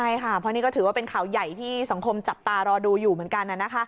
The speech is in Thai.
ใช่ค่ะเพราะนี่ก็ถือว่าเป็นข่าวใหญ่ที่สังคมจับตารอดูอยู่เหมือนกัน